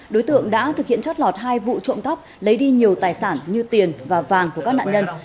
đối tượng đã thực hiện chót lọt hai vụ trộm cắp lấy đi nhiều tài sản như tiền và vàng của các nạn nhân